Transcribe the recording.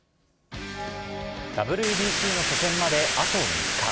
ＷＢＣの初戦まであと３日。